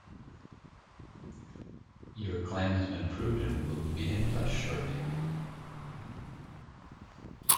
Your claim has been approved and we will be in touch shortly.